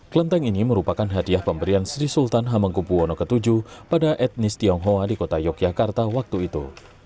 kelenteng ini merupakan hadiah pemberian sri sultan hamengkubwono v pada etnis tionghoa di kota yogyakarta waktu itu